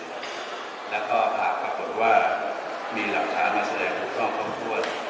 หากปรากฏว่ามีหลักฐานมาแสดงคลุกต้องความควอด